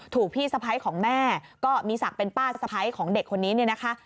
ถูกพี่สะพ้ายของแม่ก็มีศักดิ์เป็นป้าสะพ้ายของเด็กคนนี้เนี่ยนะคะ